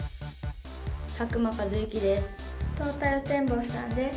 佐久間一行です。